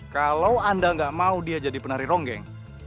kalau anda nggak mau dia jadi penari ronggeng